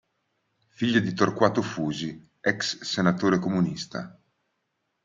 Figlio di Torquato Fusi, ex senatore comunista.